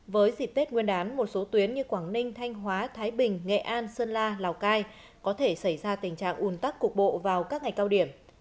với dịp tết nguyên đán một số tuyến như quảng ninh thanh hóa thái bình nghệ an sơn la lào cai có thể xảy ra tình trạng ùn tắc cục bộ vào các ngày cao điểm